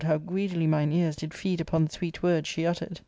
how greedily mine ears did feed upon the sweet words she uttered